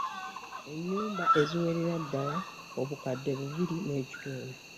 Ennyumba eziwerera ddala obukadde bubiri n'ekitundu.